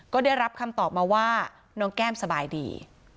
ก็ได้รับคำตอบมาว่าน้องแก้มสบายดี